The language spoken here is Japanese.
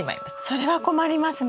それは困りますね。